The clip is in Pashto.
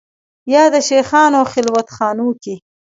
یا د شېخانو خلوت خانو کې